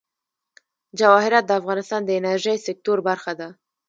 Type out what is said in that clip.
جواهرات د افغانستان د انرژۍ سکتور برخه ده.